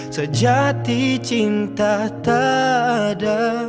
sejati cinta tak ada